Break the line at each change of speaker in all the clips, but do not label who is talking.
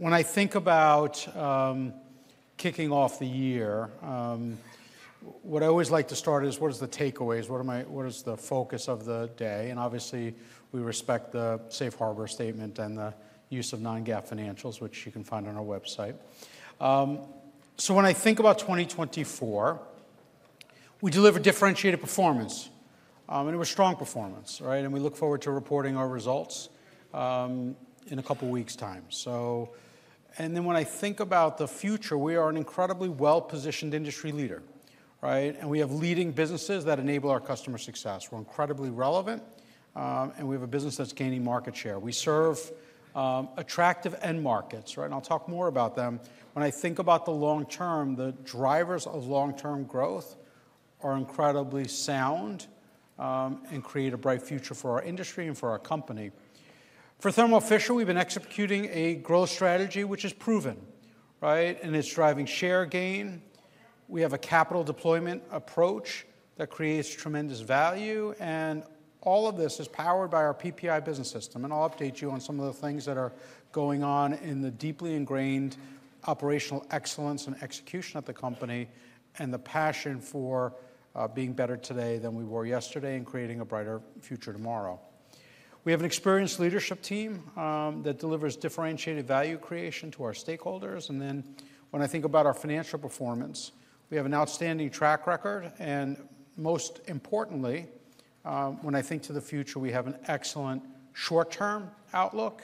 So when I think about kicking off the year, what I always like to start is, what are the takeaways? What is the focus of the day? And obviously, we respect the Safe Harbor statement and the use of Non-GAAP financials, which you can find on our website. So when I think about 2024, we deliver differentiated performance, and it was strong performance, right? And we look forward to reporting our results in a couple of weeks' time. And then when I think about the future, we are an incredibly well-positioned industry leader, right? And we have leading businesses that enable our customer success. We're incredibly relevant, and we have a business that's gaining market share. We serve attractive end markets, right? And I'll talk more about them. When I think about the long term, the drivers of long-term growth are incredibly sound and create a bright future for our industry and for our company. For Thermo Fisher, we've been executing a growth strategy which is proven, right? And it's driving share gain. We have a capital deployment approach that creates tremendous value. And all of this is powered by our PPI Business System. And I'll update you on some of the things that are going on in the deeply ingrained operational excellence and execution at the company and the passion for being better today than we were yesterday and creating a brighter future tomorrow. We have an experienced leadership team that delivers differentiated value creation to our stakeholders. And then when I think about our financial performance, we have an outstanding track record. Most importantly, when I think to the future, we have an excellent short-term outlook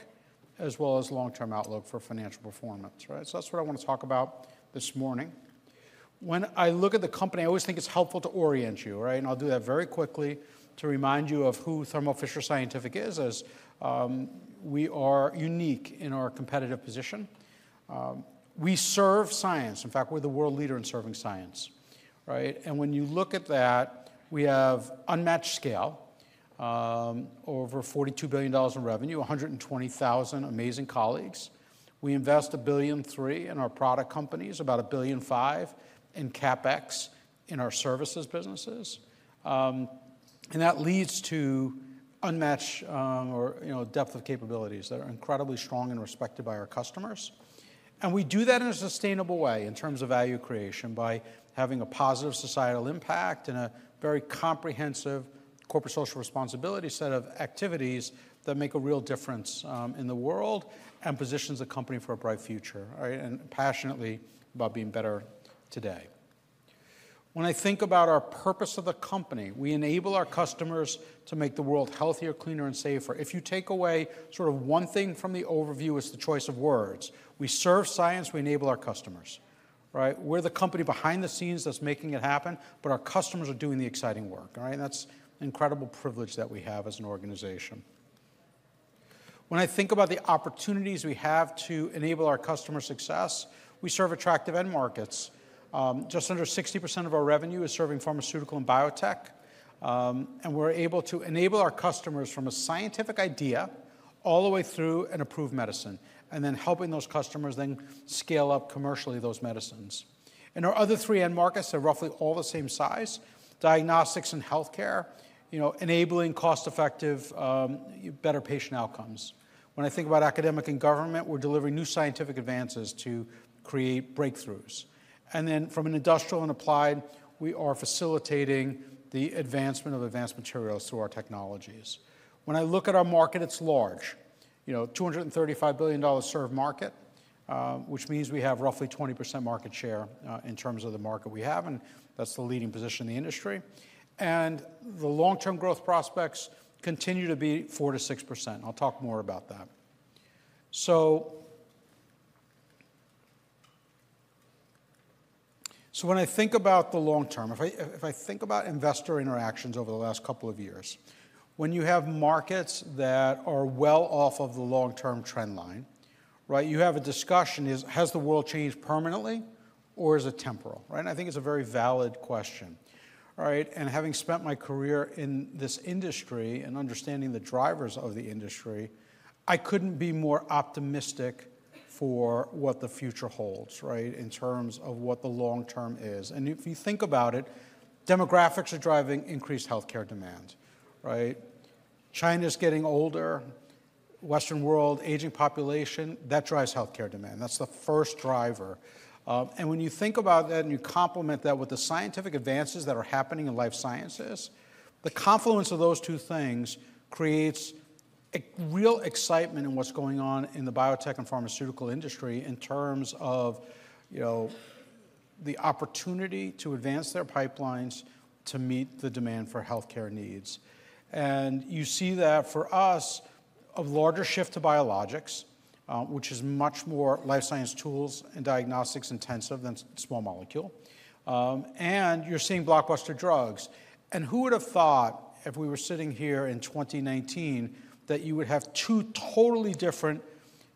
as well as long-term outlook for financial performance, right? That's what I want to talk about this morning. When I look at the company, I always think it's helpful to orient you, right? I'll do that very quickly to remind you of who Thermo Fisher Scientific is, as we are unique in our competitive position. We serve science. In fact, we're the world leader in serving science, right? When you look at that, we have unmatched scale, over $42 billion in revenue, 120,000 amazing colleagues. We invest $1.3 billion in our product companies, about $1.5 billion in CapEx in our services businesses. That leads to unmatched depth of capabilities that are incredibly strong and respected by our customers. We do that in a sustainable way in terms of value creation by having a positive societal impact and a very comprehensive corporate social responsibility set of activities that make a real difference in the world and positions the company for a bright future, right? Passionately about being better today. When I think about our purpose of the company, we enable our customers to make the world healthier, cleaner, and safer. If you take away sort of one thing from the overview, it's the choice of words. We serve science. We enable our customers, right? We're the company behind the scenes that's making it happen, but our customers are doing the exciting work, right? That's an incredible privilege that we have as an organization. When I think about the opportunities we have to enable our customer success, we serve attractive end markets. Just under 60% of our revenue is serving pharmaceutical and biotech. We're able to enable our customers from a scientific idea all the way through and improve medicine, and then helping those customers then scale up commercially those medicines. Our other three end markets are roughly all the same size: diagnostics and healthcare, enabling cost-effective, better patient outcomes. When I think about academic and government, we're delivering new scientific advances to create breakthroughs. From an industrial and applied, we are facilitating the advancement of advanced materials through our technologies. When I look at our market, it's large. $235 billion served market, which means we have roughly 20% market share in terms of the market we have, and that's the leading position in the industry. The long-term growth prospects continue to be 4%-6%. I'll talk more about that. So when I think about the long term, if I think about investor interactions over the last couple of years, when you have markets that are well off of the long-term trend line, right, you have a discussion: has the world changed permanently, or is it temporal, right? And I think it's a very valid question, right? And having spent my career in this industry and understanding the drivers of the industry, I couldn't be more optimistic for what the future holds, right, in terms of what the long term is. And if you think about it, demographics are driving increased healthcare demand, right? China's getting older, Western world, aging population, that drives healthcare demand. That's the first driver. When you think about that and you complement that with the scientific advances that are happening in life sciences, the confluence of those two things creates real excitement in what's going on in the biotech and pharmaceutical industry in terms of the opportunity to advance their pipelines to meet the demand for healthcare needs. You see that for us as a larger shift to biologics, which is much more life science tools and diagnostics intensive than small molecule. You are seeing blockbuster drugs. Who would have thought, if we were sitting here in 2019, that you would have two totally different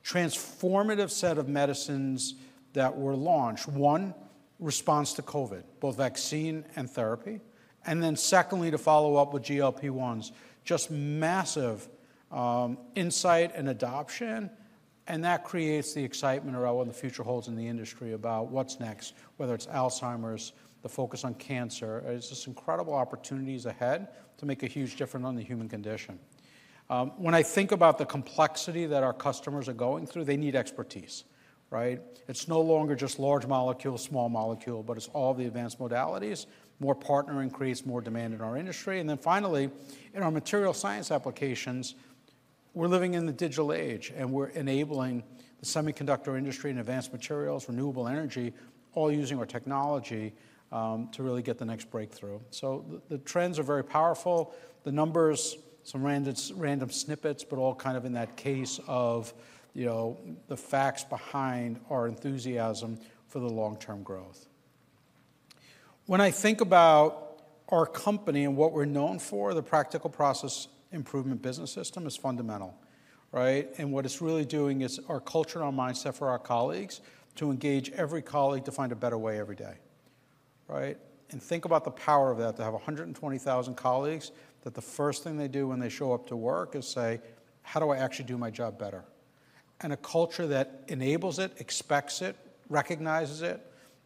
transformative sets of medicines that were launched? One, response to COVID, both vaccine and therapy. Then secondly, to follow up with GLP-1s, just massive insight and adoption. And that creates the excitement around what the future holds in the industry about what's next, whether it's Alzheimer's, the focus on cancer. There's just incredible opportunities ahead to make a huge difference on the human condition. When I think about the complexity that our customers are going through, they need expertise, right? It's no longer just large molecule, small molecule, but it's all the advanced modalities, more partner increase, more demand in our industry. And then finally, in our material science applications, we're living in the digital age, and we're enabling the semiconductor industry and advanced materials, renewable energy, all using our technology to really get the next breakthrough. So the trends are very powerful. The numbers, some random snippets, but all kind of in that case of the facts behind our enthusiasm for the long-term growth. When I think about our company and what we're known for, the Practical Process Improvement Business System is fundamental, right? And what it's really doing is our culture and our mindset for our colleagues to engage every colleague to find a better way every day, right? And think about the power of that. To have 120,000 colleagues, that the first thing they do when they show up to work is say, "How do I actually do my job better?" And a culture that enables it, expects it, recognizes it,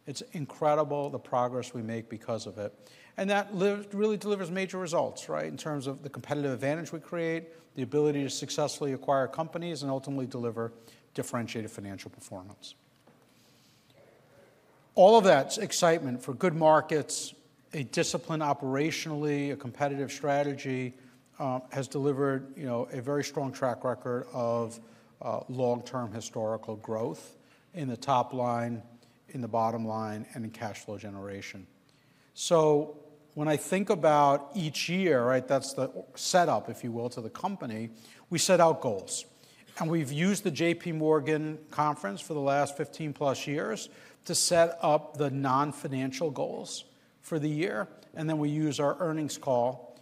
it's incredible the progress we make because of it. And that really delivers major results, right, in terms of the competitive advantage we create, the ability to successfully acquire companies, and ultimately deliver differentiated financial performance. All of that excitement for good markets, a disciplined operationally, a competitive strategy has delivered a very strong track record of long-term historical growth in the top line, in the bottom line, and in cash flow generation. So when I think about each year, right, that's the setup, if you will, to the company, we set out goals. And we've used the J.P. Morgan conference for the last 15+ years to set up the non-financial goals for the year. And then we use our earnings call,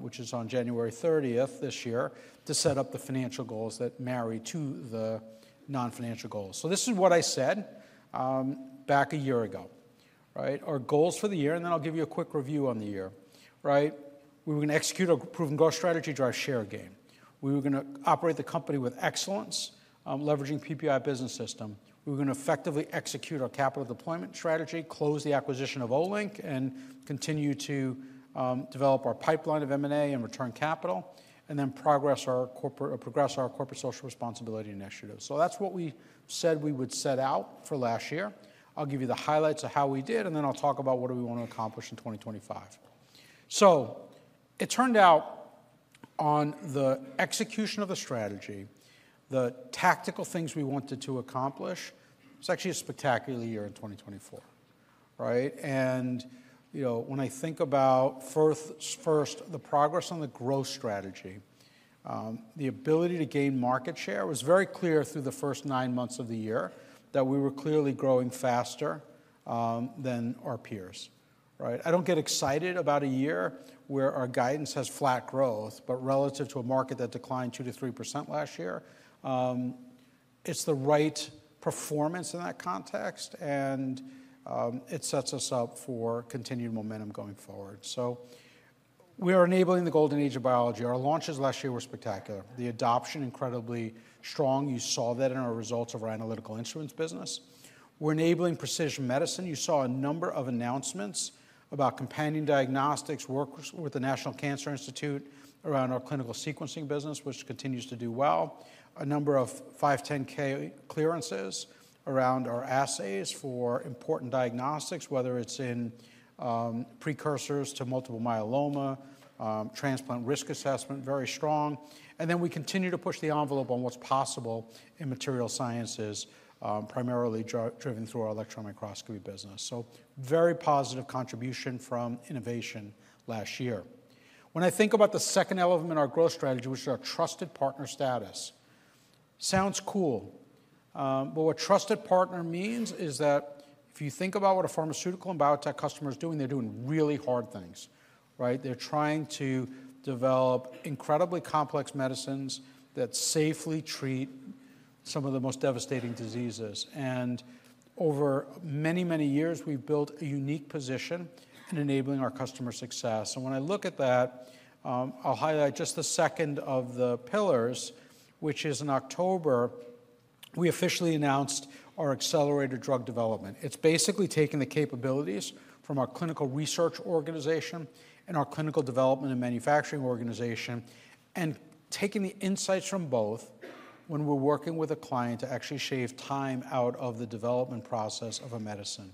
which is on January 30th this year, to set up the financial goals that marry to the non-financial goals. So this is what I said back a year ago, right? Our goals for the year, and then I'll give you a quick review on the year, right? We were going to execute a proven growth strategy to drive share gain. We were going to operate the company with excellence, leveraging PPI Business System. We were going to effectively execute our capital deployment strategy, close the acquisition of Olink, and continue to develop our pipeline of M&A and return capital, and then progress our corporate social responsibility initiative, so that's what we said we would set out for last year. I'll give you the highlights of how we did, and then I'll talk about what do we want to accomplish in 2025, so it turned out on the execution of the strategy, the tactical things we wanted to accomplish, it's actually a spectacular year in 2024, right, and when I think about first, the progress on the growth strategy, the ability to gain market share, it was very clear through the first nine months of the year that we were clearly growing faster than our peers, right? I don't get excited about a year where our guidance has flat growth, but relative to a market that declined 2%-3% last year, it's the right performance in that context, and it sets us up for continued momentum going forward. So we are enabling the golden age of biology. Our launches last year were spectacular. The adoption, incredibly strong. You saw that in our results of our Analytical Instruments business. We're enabling precision medicine. You saw a number of announcements about companion diagnostics, work with the National Cancer Institute around our clinical sequencing business, which continues to do well. A number of 510(k) clearances around our assays for important diagnostics, whether it's in precursors to multiple myeloma, transplant risk assessment, very strong. And then we continue to push the envelope on what's possible in material sciences, primarily driven through our electron microscopy business. So very positive contribution from innovation last year. When I think about the second element in our growth strategy, which is our trusted partner status, sounds cool. But what trusted partner means is that if you think about what a pharmaceutical and biotech customer is doing, they're doing really hard things, right? They're trying to develop incredibly complex medicines that safely treat some of the most devastating diseases. And over many, many years, we've built a unique position in enabling our customer success. And when I look at that, I'll highlight just the second of the pillars, which is in October, we officially announced our Accelerated Drug Development. It's basically taking the capabilities from our clinical research organization and our clinical development and manufacturing organization and taking the insights from both when we're working with a client to actually shave time out of the development process of a medicine.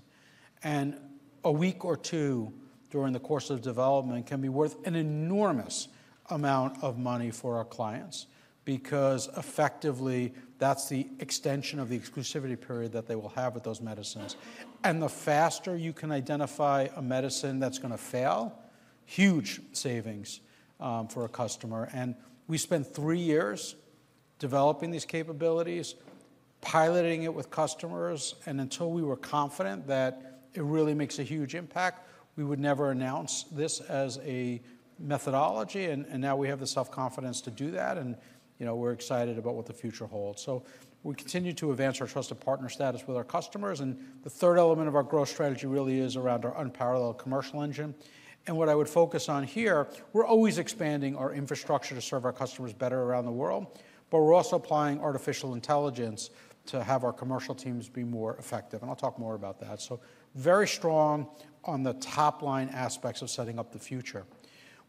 And a week or two during the course of development can be worth an enormous amount of money for our clients because effectively that's the extension of the exclusivity period that they will have with those medicines. And the faster you can identify a medicine that's going to fail, huge savings for a customer. And we spent three years developing these capabilities, piloting it with customers. And until we were confident that it really makes a huge impact, we would never announce this as a methodology. And now we have the self-confidence to do that, and we're excited about what the future holds. So we continue to advance our trusted partner status with our customers. And the third element of our growth strategy really is around our unparalleled commercial engine. And what I would focus on here, we're always expanding our infrastructure to serve our customers better around the world, but we're also applying artificial intelligence to have our commercial teams be more effective. And I'll talk more about that. So very strong on the top line aspects of setting up the future.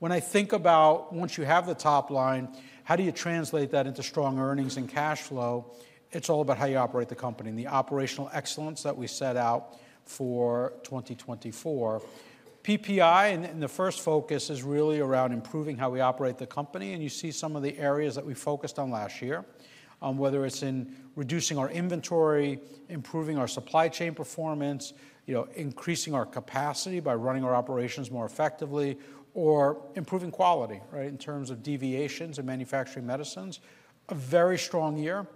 When I think about once you have the top line, how do you translate that into strong earnings and cash flow? It's all about how you operate the company and the operational excellence that we set out for 2024. PPI, in the first focus, is really around improving how we operate the company. And you see some of the areas that we focused on last year, whether it's in reducing our inventory, improving our supply chain performance, increasing our capacity by running our operations more effectively, or improving quality, right, in terms of deviations in manufacturing medicines. A very strong year.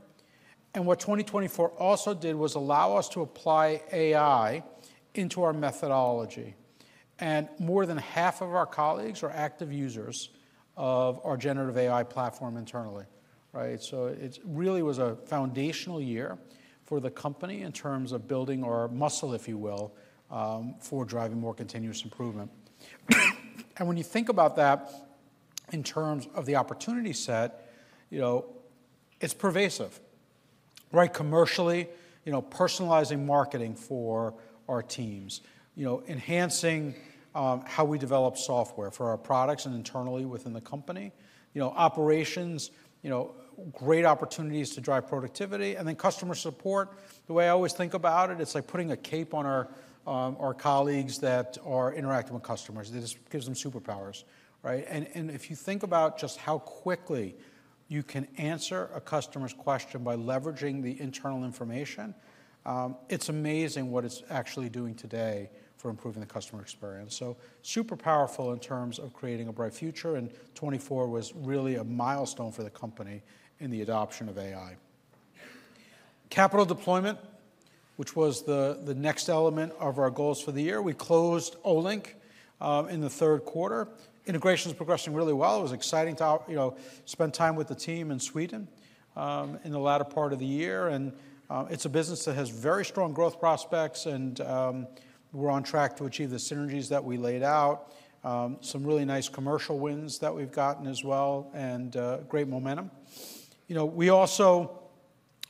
And what 2024 also did was allow us to apply AI into our methodology. And more than half of our colleagues are active users of our generative AI platform internally, right? So it really was a foundational year for the company in terms of building our muscle, if you will, for driving more continuous improvement. And when you think about that in terms of the opportunity set, it's pervasive, right? Commercially, personalizing marketing for our teams, enhancing how we develop software for our products and internally within the company, operations, great opportunities to drive productivity. And then customer support, the way I always think about it, it's like putting a cape on our colleagues that are interacting with customers. It just gives them superpowers, right? If you think about just how quickly you can answer a customer's question by leveraging the internal information, it's amazing what it's actually doing today for improving the customer experience. Super powerful in terms of creating a bright future. 2024 was really a milestone for the company in the adoption of AI. Capital deployment, which was the next element of our goals for the year. We closed Olink in the third quarter. Integration is progressing really well. It was exciting to spend time with the team in Sweden in the latter part of the year. It's a business that has very strong growth prospects, and we're on track to achieve the synergies that we laid out, some really nice commercial wins that we've gotten as well, and great momentum. We also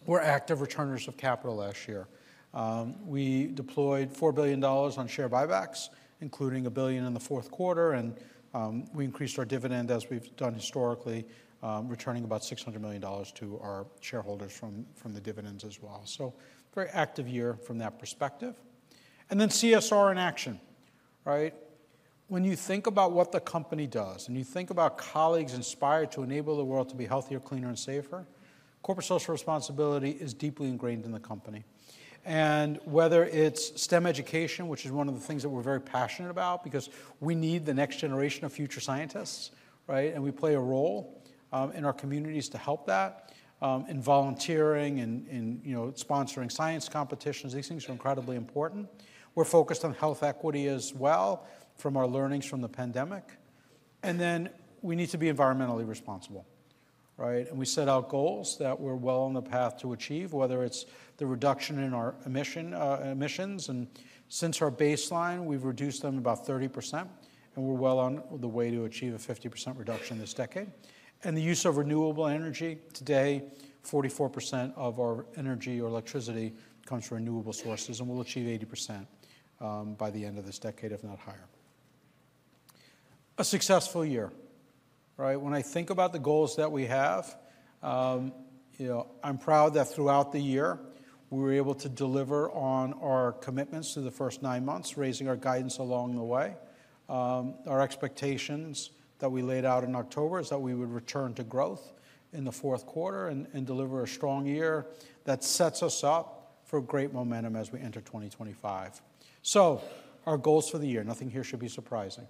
were active returners of capital last year. We deployed $4 billion on share buybacks, including $1 billion in the fourth quarter, and we increased our dividend as we've done historically, returning about $600 million to our shareholders from the dividends as well, so very active year from that perspective, and then CSR in action, right? When you think about what the company does and you think about colleagues inspired to enable the world to be healthier, cleaner, and safer, corporate social responsibility is deeply ingrained in the company. And whether it's STEM education, which is one of the things that we're very passionate about because we need the next generation of future scientists, right? And we play a role in our communities to help that in volunteering and sponsoring science competitions. These things are incredibly important. We're focused on health equity as well from our learnings from the pandemic. And then we need to be environmentally responsible, right? We set out goals that we're well on the path to achieve, whether it's the reduction in our emissions, and since our baseline, we've reduced them about 30%, and we're well on the way to achieve a 50% reduction this decade. And the use of renewable energy today, 44% of our energy or electricity comes from renewable sources, and we'll achieve 80% by the end of this decade, if not higher. A successful year, right? When I think about the goals that we have, I'm proud that throughout the year, we were able to deliver on our commitments through the first nine months, raising our guidance along the way. Our expectations that we laid out in October is that we would return to growth in the fourth quarter and deliver a strong year that sets us up for great momentum as we enter 2025. So our goals for the year, nothing here should be surprising,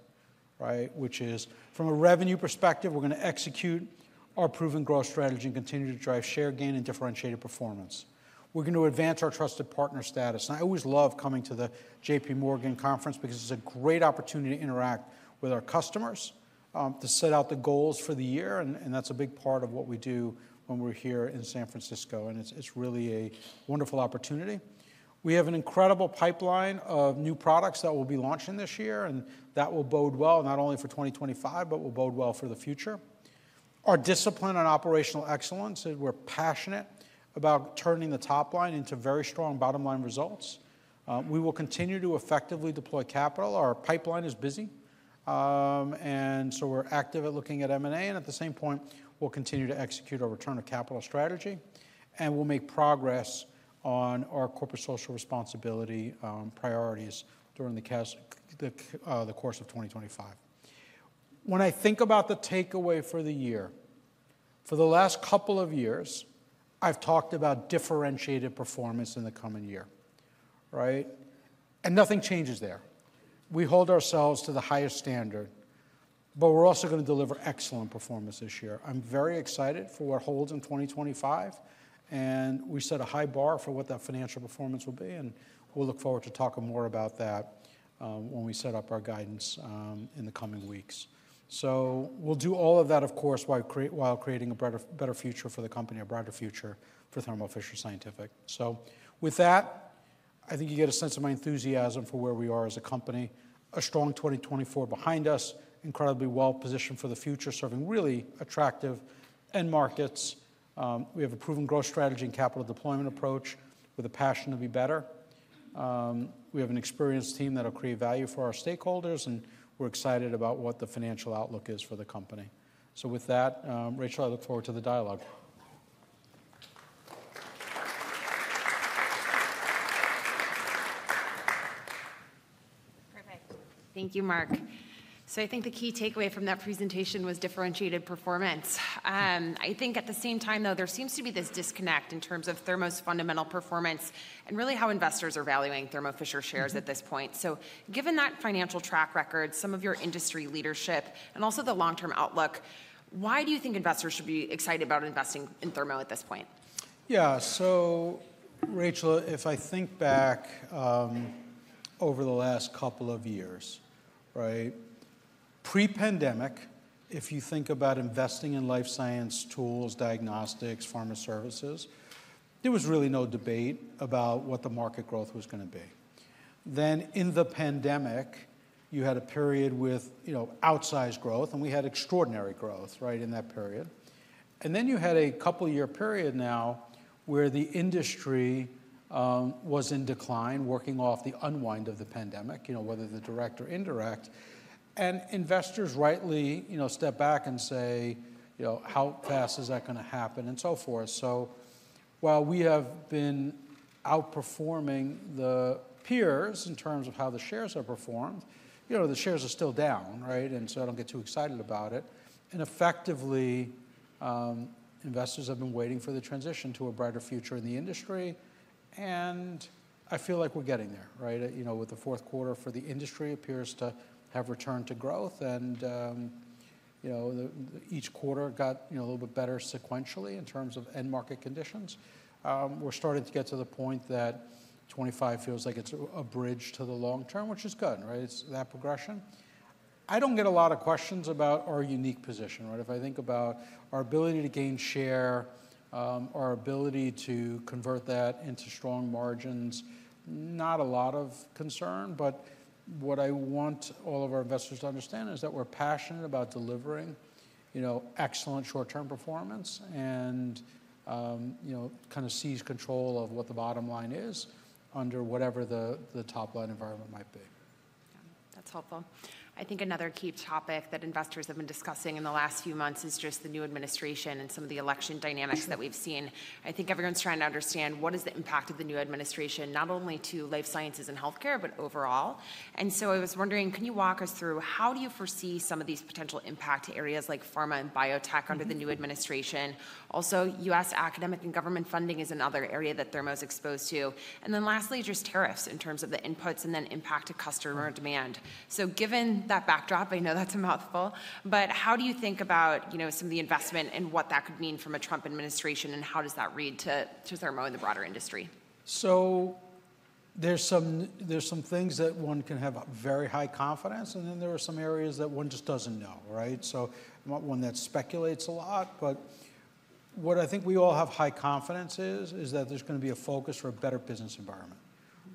right? Which is from a revenue perspective, we're going to execute our proven growth strategy and continue to drive share gain and differentiated performance. We're going to advance our trusted partner status. And I always love coming to the J.P. Morgan conference because it's a great opportunity to interact with our customers, to set out the goals for the year. And that's a big part of what we do when we're here in San Francisco. And it's really a wonderful opportunity. We have an incredible pipeline of new products that we'll be launching this year, and that will bode well not only for 2025, but will bode well for the future. Our discipline on operational excellence is we're passionate about turning the top line into very strong bottom line results. We will continue to effectively deploy capital. Our pipeline is busy. And so we're active at looking at M&A. And at the same point, we'll continue to execute our return of capital strategy. And we'll make progress on our corporate social responsibility priorities during the course of 2025. When I think about the takeaway for the year, for the last couple of years, I've talked about differentiated performance in the coming year, right? And nothing changes there. We hold ourselves to the highest standard, but we're also going to deliver excellent performance this year. I'm very excited for what holds in 2025, and we set a high bar for what that financial performance will be. We'll look forward to talking more about that when we set up our guidance in the coming weeks. We'll do all of that, of course, while creating a better future for the company, a brighter future for Thermo Fisher Scientific. With that, I think you get a sense of my enthusiasm for where we are as a company. We have a strong 2024 behind us, incredibly well positioned for the future, serving really attractive end markets. We have a proven growth strategy and capital deployment approach with a passion to be better. We have an experienced team that will create value for our stakeholders. We're excited about what the financial outlook is for the company. With that, Rachel, I look forward to the dialogue.
Perfect. Thank you, Marc. So I think the key takeaway from that presentation was differentiated performance. I think at the same time, though, there seems to be this disconnect in terms of Thermo's fundamental performance and really how investors are valuing Thermo Fisher shares at this point. So given that financial track record, some of your industry leadership, and also the long-term outlook, why do you think investors should be excited about investing in Thermo at this point?
Yeah. So Rachel, if I think back over the last couple of years, right? Pre-pandemic, if you think about investing in life science tools, diagnostics, pharma services, there was really no debate about what the market growth was going to be. Then in the pandemic, you had a period with outsized growth, and we had extraordinary growth, right, in that period. And then you had a couple-year period now where the industry was in decline, working off the unwind of the pandemic, whether the direct or indirect. And investors rightly step back and say, how fast is that going to happen? And so forth. So while we have been outperforming the peers in terms of how the shares are performed, the shares are still down, right? And so I don't get too excited about it. Effectively, investors have been waiting for the transition to a brighter future in the industry. I feel like we're getting there, right? With the fourth quarter, the industry appears to have returned to growth. Each quarter got a little bit better sequentially in terms of end market conditions. We're starting to get to the point that 2025 feels like it's a bridge to the long term, which is good, right? It's that progression. I don't get a lot of questions about our unique position, right? If I think about our ability to gain share, our ability to convert that into strong margins, not a lot of concern. What I want all of our investors to understand is that we're passionate about delivering excellent short-term performance and kind of seize control of what the bottom line is under whatever the top line environment might be.
Yeah. That's helpful. I think another key topic that investors have been discussing in the last few months is just the new administration and some of the election dynamics that we've seen. I think everyone's trying to understand what is the impact of the new administration, not only to life sciences and healthcare, but overall. And so I was wondering, can you walk us through how do you foresee some of these potential impact areas like pharma and biotech under the new administration? Also, U.S. academic and government funding is another area that they're most exposed to. And then lastly, just tariffs in terms of the inputs and then impact to customer demand. So given that backdrop, I know that's a mouthful, but how do you think about some of the investment and what that could mean from a Trump administration? How does that read to Thermo in the broader industry?
So there's some things that one can have very high confidence, and then there are some areas that one just doesn't know, right? So I'm not one that speculates a lot, but what I think we all have high confidence is that there's going to be a focus for a better business environment,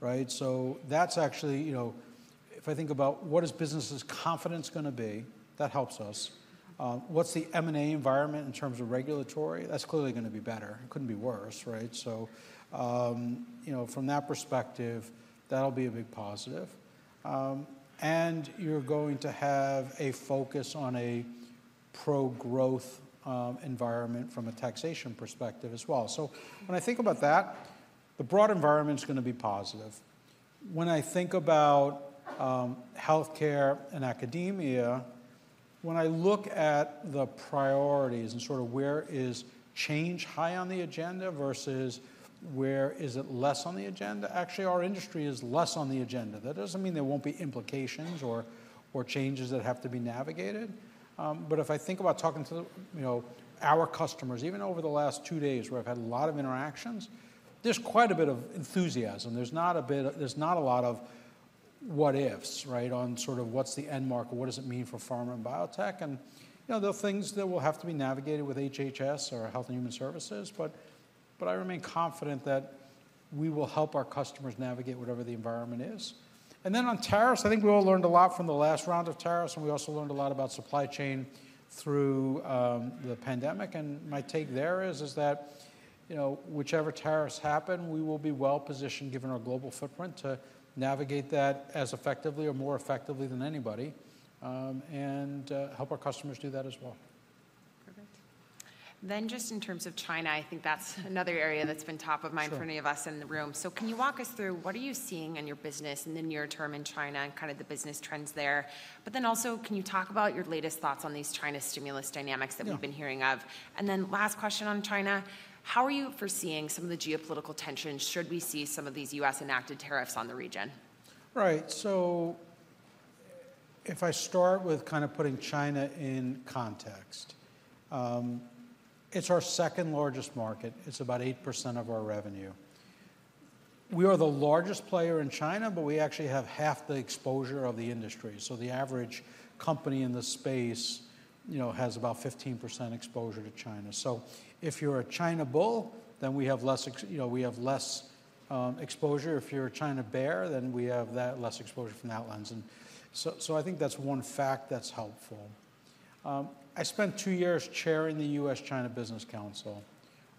right? So that's actually, if I think about what is business's confidence going to be, that helps us. What's the M&A environment in terms of regulatory? That's clearly going to be better. It couldn't be worse, right? So from that perspective, that'll be a big positive. And you're going to have a focus on a pro-growth environment from a taxation perspective as well. So when I think about that, the broad environment's going to be positive. When I think about healthcare and academia, when I look at the priorities and sort of where is change high on the agenda versus where is it less on the agenda, actually our industry is less on the agenda. That doesn't mean there won't be implications or changes that have to be navigated, but if I think about talking to our customers, even over the last two days where I've had a lot of interactions, there's quite a bit of enthusiasm. There's not a lot of what-ifs, right, on sort of what's the end market, what does it mean for pharma and biotech, and there are things that will have to be navigated with HHS or Health and Human Services, but I remain confident that we will help our customers navigate whatever the environment is. Then on tariffs, I think we all learned a lot from the last round of tariffs. We also learned a lot about supply chain through the pandemic. My take there is that whichever tariffs happen, we will be well positioned given our global footprint to navigate that as effectively or more effectively than anybody and help our customers do that as well.
Perfect. Then just in terms of China, I think that's another area that's been top of mind for any of us in the room. So can you walk us through what are you seeing in your business in the near term in China and kind of the business trends there? But then also, can you talk about your latest thoughts on these China stimulus dynamics that we've been hearing of? And then last question on China, how are you foreseeing some of the geopolitical tensions should we see some of these U.S.-enacted tariffs on the region?
Right. So if I start with kind of putting China in context, it's our second largest market. It's about 8% of our revenue. We are the largest player in China, but we actually have half the exposure of the industry. So the average company in the space has about 15% exposure to China. So if you're a China bull, then we have less exposure. If you're a China bear, then we have less exposure from that lens. And so I think that's one fact that's helpful. I spent two years chairing the U.S.-China Business Council,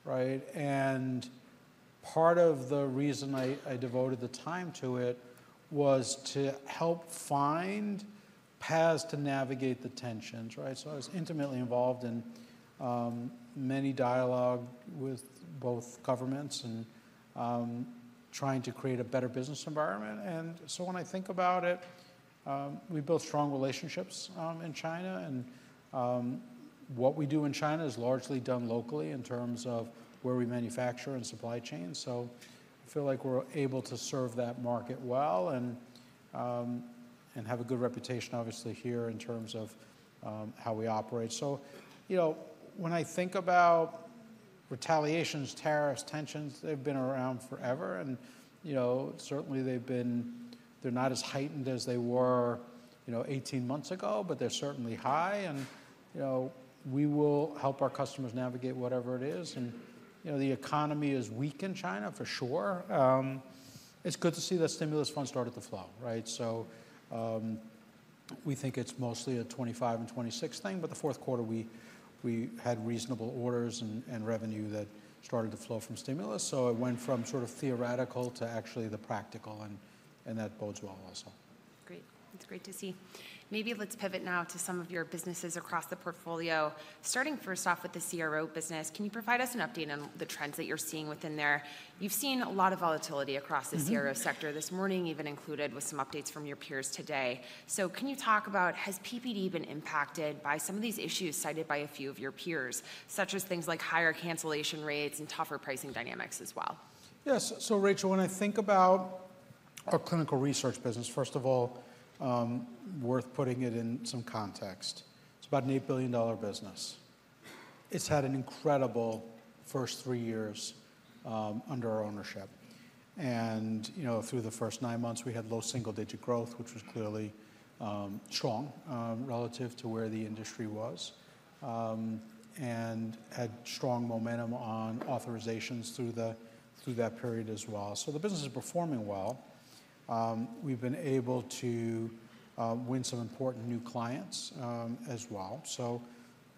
right? And part of the reason I devoted the time to it was to help find paths to navigate the tensions, right? So I was intimately involved in many dialogues with both governments and trying to create a better business environment. And so when I think about it, we build strong relationships in China. What we do in China is largely done locally in terms of where we manufacture and supply chain. So I feel like we're able to serve that market well and have a good reputation, obviously, here in terms of how we operate. So when I think about retaliations, tariffs, tensions, they've been around forever. And certainly, they're not as heightened as they were 18 months ago, but they're certainly high. And we will help our customers navigate whatever it is. And the economy is weak in China, for sure. It's good to see the stimulus funds started to flow, right? So we think it's mostly a 2025 and 2026 thing. But the fourth quarter, we had reasonable orders and revenue that started to flow from stimulus. So it went from sort of theoretical to actually the practical. And that bodes well also.
Great. That's great to see. Maybe let's pivot now to some of your businesses across the portfolio. Starting first off with the CRO business, can you provide us an update on the trends that you're seeing within there? You've seen a lot of volatility across the CRO sector this morning, even included with some updates from your peers today. So can you talk about has PPD been impacted by some of these issues cited by a few of your peers, such as things like higher cancellation rates and tougher pricing dynamics as well?
Yes. So Rachel, when I think about our clinical research business, first of all, worth putting it in some context. It's about an $8 billion business. It's had an incredible first three years under our ownership. And through the first nine months, we had low single-digit growth, which was clearly strong relative to where the industry was and had strong momentum on authorizations through that period as well. So the business is performing well. We've been able to win some important new clients as well.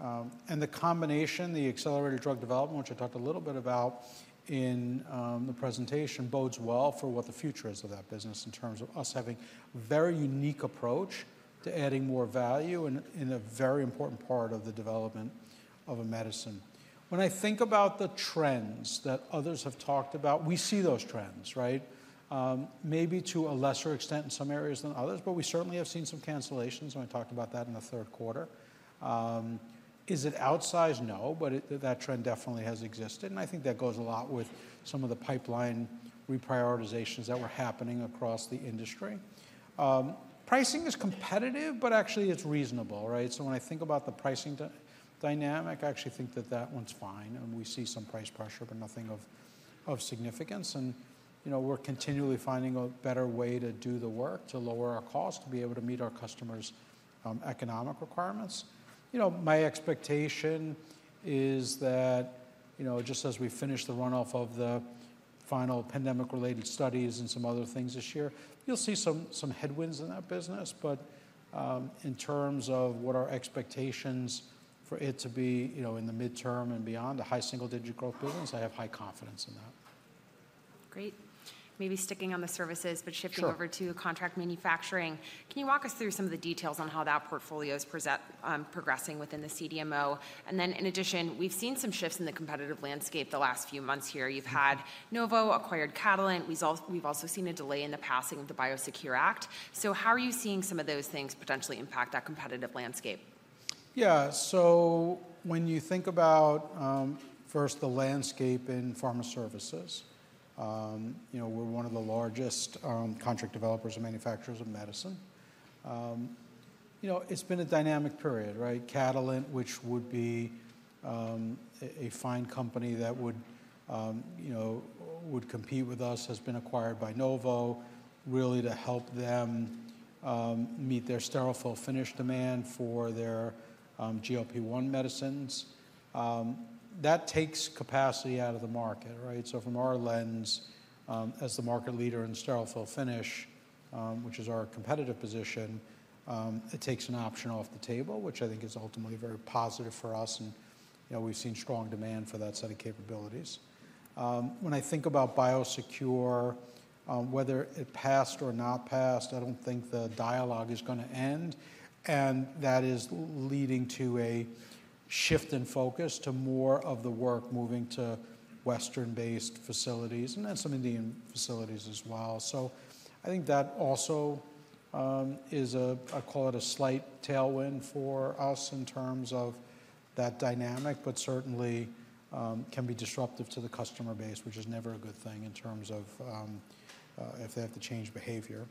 And the combination, the Accelerated Drug Development, which I talked a little bit about in the presentation, bodes well for what the future is of that business in terms of us having a very unique approach to adding more value and a very important part of the development of a medicine. When I think about the trends that others have talked about, we see those trends, right? Maybe to a lesser extent in some areas than others, but we certainly have seen some cancellations, and I talked about that in the third quarter. Is it outsized? No, but that trend definitely has existed. And I think that goes a lot with some of the pipeline reprioritizations that were happening across the industry. Pricing is competitive, but actually it's reasonable, right, so when I think about the pricing dynamic, I actually think that that one's fine, and we see some price pressure, but nothing of significance, and we're continually finding a better way to do the work, to lower our costs, to be able to meet our customers' economic requirements. My expectation is that just as we finish the runoff of the final pandemic-related studies and some other things this year, you'll see some headwinds in that business. But in terms of what our expectations for it to be in the midterm and beyond, a high single-digit growth business, I have high confidence in that.
Great. Maybe sticking on the services, but shifting over to contract manufacturing. Can you walk us through some of the details on how that portfolio is progressing within the CDMO? And then in addition, we've seen some shifts in the competitive landscape the last few months here. You've had Novo acquire Catalent. We've also seen a delay in the passing of the Biosecure Act. So how are you seeing some of those things potentially impact that competitive landscape?
Yeah. So when you think about first the landscape in pharma services, we're one of the largest contract developers and manufacturers of medicine. It's been a dynamic period, right? Catalent, which would be a fine company that would compete with us, has been acquired by Novo really to help them meet their sterile fill-finish demand for their GLP-1 medicines. That takes capacity out of the market, right? So from our lens, as the market leader in sterile fill-finish, which is our competitive position, it takes an option off the table, which I think is ultimately very positive for us. And we've seen strong demand for that set of capabilities. When I think about Biosecure, whether it passed or not passed, I don't think the dialogue is going to end. That is leading to a shift in focus to more of the work moving to Western-based facilities and then some Indian facilities as well. I think that also is, I call it a slight tailwind for us in terms of that dynamic, but certainly can be disruptive to the customer base, which is never a good thing in terms of if they have to change behavior.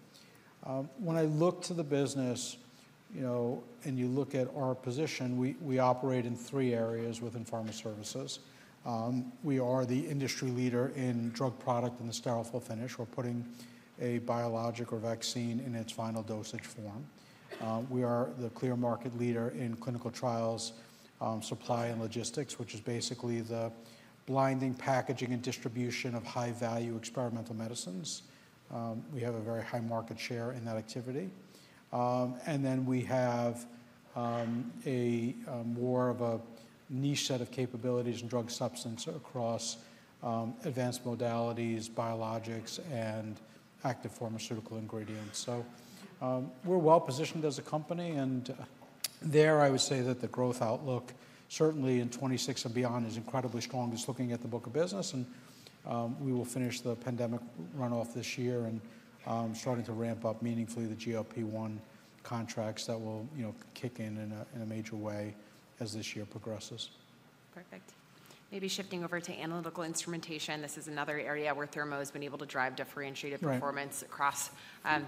When I look to the business and you look at our position, we operate in three areas within pharma services. We are the industry leader in drug product and the sterile fill finish. We're putting a biologic or vaccine in its final dosage form. We are the clear market leader in clinical trials, supply, and logistics, which is basically the blinding packaging and distribution of high-value experimental medicines. We have a very high market share in that activity. And then we have more of a niche set of capabilities and drug substance across advanced modalities, biologics, and active pharmaceutical ingredients. So we're well positioned as a company. And there, I would say that the growth outlook, certainly in 2026 and beyond, is incredibly strong just looking at the book of business. And we will finish the pandemic runoff this year and starting to ramp up meaningfully the GLP-1 contracts that will kick in in a major way as this year progresses.
Perfect. Maybe shifting over to analytical instrumentation. This is another area where Thermo has been able to drive differentiated performance across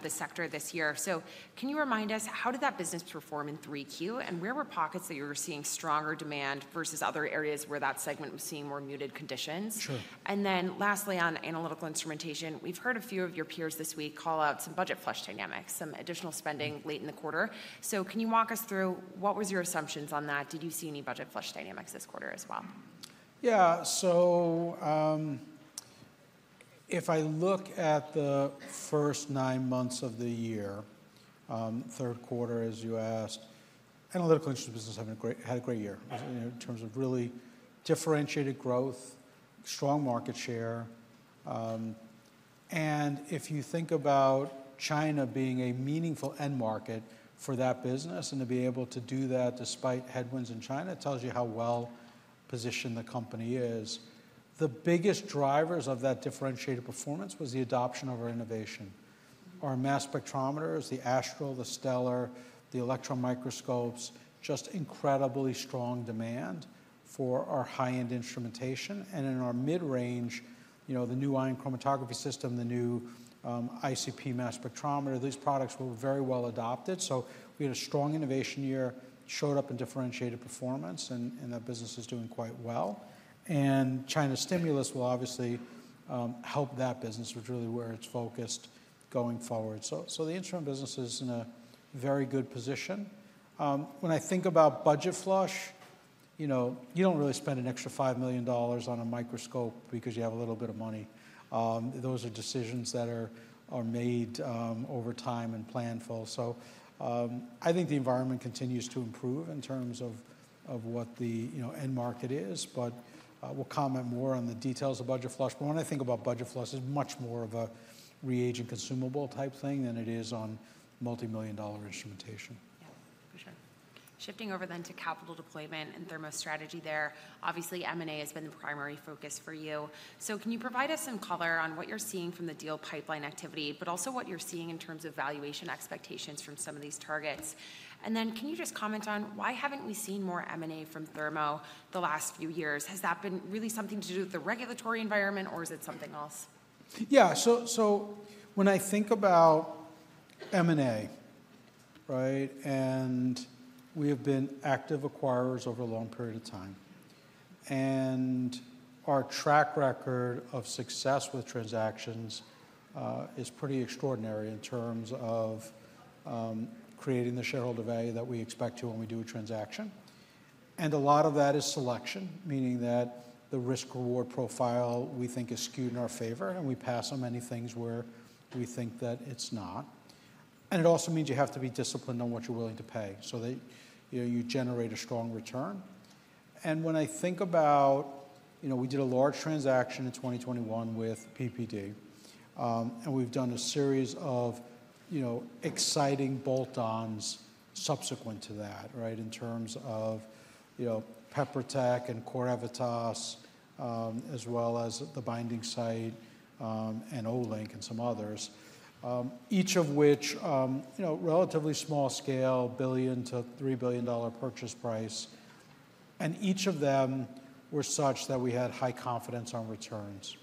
the sector this year. So can you remind us, how did that business perform in 3Q? And where were pockets that you were seeing stronger demand versus other areas where that segment was seeing more muted conditions?
Sure.
And then lastly, on analytical instrumentation, we've heard a few of your peers this week call out some budget flush dynamics, some additional spending late in the quarter. So can you walk us through what were your assumptions on that? Did you see any budget flush dynamics this quarter as well?
Yeah. So if I look at the first nine months of the year, third quarter, as you asked, Analytical Instruments business had a great year in terms of really differentiated growth, strong market share, and if you think about China being a meaningful end market for that business and to be able to do that despite headwinds in China, it tells you how well positioned the company is. The biggest drivers of that differentiated performance was the adoption of our innovation. Our mass spectrometers, the Astral, the Stellar, the electron microscopes, just incredibly strong demand for our high-end instrumentation, and in our mid-range, the new ion chromatography system, the new ICP mass spectrometer, these products were very well adopted, so we had a strong innovation year, showed up in differentiated performance, and that business is doing quite well. China stimulus will obviously help that business, which is really where it's focused going forward. The instrument business is in a very good position. When I think about budget flush, you don't really spend an extra $5 million on a microscope because you have a little bit of money. Those are decisions that are made over time and planful. I think the environment continues to improve in terms of what the end market is. We'll comment more on the details of budget flush. When I think about budget flush, it's much more of a reagent consumable type thing than it is on multimillion-dollar instrumentation.
Yeah, for sure. Shifting over then to capital deployment and Thermo's strategy there. Obviously, M&A has been the primary focus for you. So can you provide us some color on what you're seeing from the deal pipeline activity, but also what you're seeing in terms of valuation expectations from some of these targets? And then can you just comment on why haven't we seen more M&A from Thermo the last few years? Has that been really something to do with the regulatory environment, or is it something else?
Yeah. So when I think about M&A, right, and we have been active acquirers over a long period of time. And our track record of success with transactions is pretty extraordinary in terms of creating the shareholder value that we expect to when we do a transaction. And a lot of that is selection, meaning that the risk-reward profile we think is skewed in our favor. And we pass on many things where we think that it's not. And it also means you have to be disciplined on what you're willing to pay so that you generate a strong return. And when I think about we did a large transaction in 2021 with PPD. We've done a series of exciting bolt-ons subsequent to that, right, in terms of PeproTech and CorEvitas, as well as The Binding Site and Olink and some others, each of which relatively small scale, $1 billion-$3 billion purchase price. Each of them were such that we had high confidence on returns.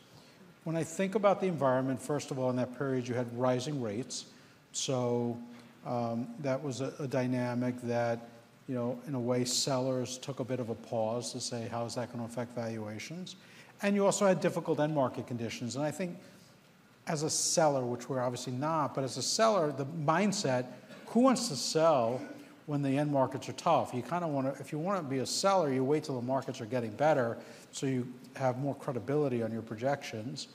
When I think about the environment, first of all, in that period, you had rising rates. So that was a dynamic that, in a way, sellers took a bit of a pause to say, "How is that going to affect valuations?" You also had difficult end market conditions. I think as a seller, which we're obviously not, but as a seller, the mindset, who wants to sell when the end markets are tough? You kind of want to, if you want to be a seller, you wait till the markets are getting better so you have more credibility on your projections,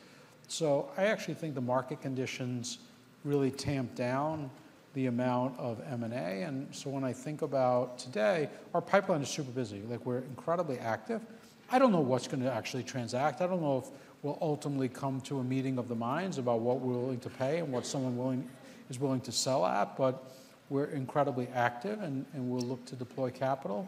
so I actually think the market conditions really tamped down the amount of M&A. And so when I think about today, our pipeline is super busy. We're incredibly active. I don't know what's going to actually transact. I don't know if we'll ultimately come to a meeting of the minds about what we're willing to pay and what someone is willing to sell at, but we're incredibly active, and we'll look to deploy capital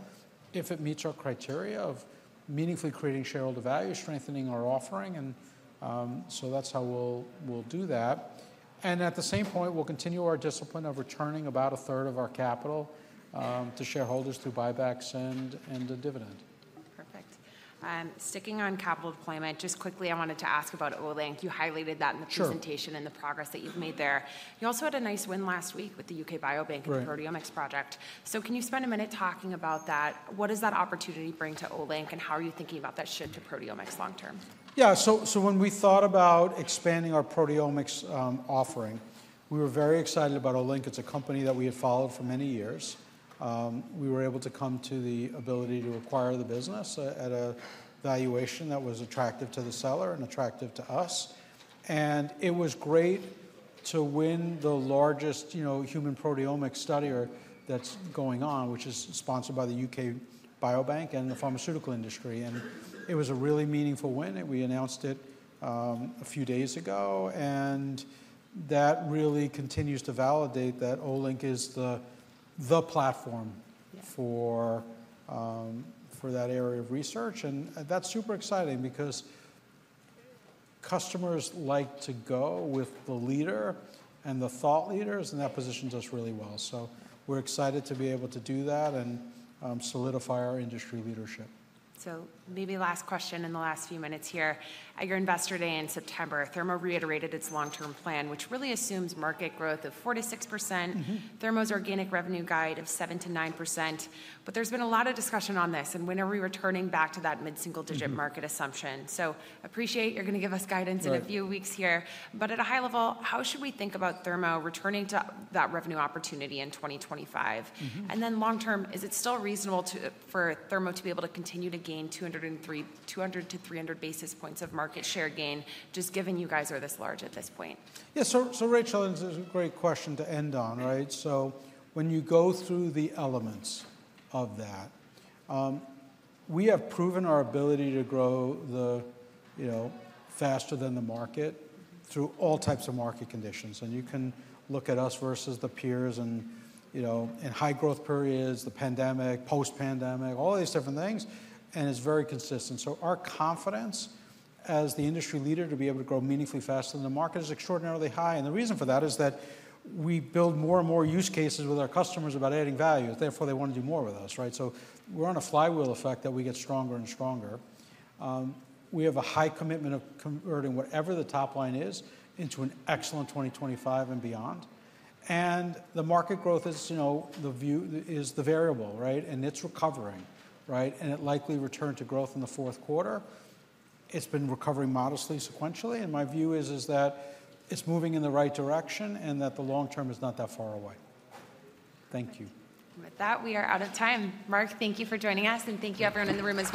if it meets our criteria of meaningfully creating shareholder value, strengthening our offering, and so that's how we'll do that, and at the same point, we'll continue our discipline of returning about a third of our capital to shareholders through buybacks and a dividend.
Perfect. Sticking on capital deployment, just quickly, I wanted to ask about Olink. You highlighted that in the presentation and the progress that you've made there. You also had a nice win last week with the UK Biobank and the proteomics project. So can you spend a minute talking about that? What does that opportunity bring to Olink, and how are you thinking about that shift to proteomics long-term?
Yeah. So when we thought about expanding our proteomics offering, we were very excited about Olink. It's a company that we had followed for many years. We were able to come to the ability to acquire the business at a valuation that was attractive to the seller and attractive to us. And it was great to win the largest human proteomics study that's going on, which is sponsored by the UK Biobank and the pharmaceutical industry. And it was a really meaningful win. We announced it a few days ago. And that really continues to validate that Olink is the platform for that area of research. And that's super exciting because customers like to go with the leader and the thought leaders, and that positions us really well. So we're excited to be able to do that and solidify our industry leadership.
So maybe last question in the last few minutes here. At your investor day in September, Thermo reiterated its long-term plan, which really assumes market growth of 4%-6%, Thermo's organic revenue guide of 7%-9%. But there's been a lot of discussion on this, and we know we were turning back to that mid-single-digit market assumption. So appreciate you're going to give us guidance in a few weeks here. But at a high level, how should we think about Thermo returning to that revenue opportunity in 2025? And then long-term, is it still reasonable for Thermo to be able to continue to gain 200-300 basis points of market share gain, just given you guys are this large at this point?
Yeah. So, Rachel, this is a great question to end on, right? So when you go through the elements of that, we have proven our ability to grow faster than the market through all types of market conditions. And you can look at us versus the peers in high growth periods, the pandemic, post-pandemic, all these different things, and it's very consistent. So our confidence as the industry leader to be able to grow meaningfully faster than the market is extraordinarily high. And the reason for that is that we build more and more use cases with our customers about adding value. Therefore, they want to do more with us, right? So we're on a flywheel effect that we get stronger and stronger. We have a high commitment of converting whatever the top line is into an excellent 2025 and beyond. And the market growth is the variable, right? It's recovering, right? It likely returned to growth in the fourth quarter. It's been recovering modestly sequentially. My view is that it's moving in the right direction and that the long term is not that far away. Thank you.
With that, we are out of time. Marc, thank you for joining us, and thank you, everyone in the room.